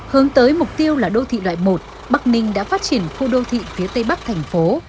hướng tới mục tiêu là đô thị loại một bắc ninh đã phát triển khu đô thị phía tây bắc thành phố